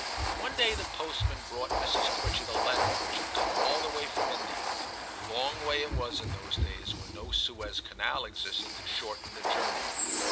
One day the postman brought Mrs. Quitchett a letter which had come all the way from India, — and a long way it was in those days when no Suez Canal existed to shorten the journey.